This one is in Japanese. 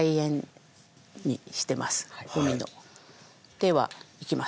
ではいきます。